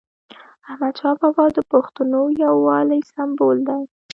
احمدشاه بابا د پښتنو یووالي سمبول دی.